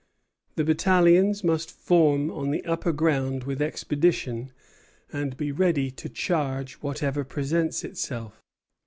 The battalions must form on the upper ground with expedition, and be ready to charge whatever presents itself.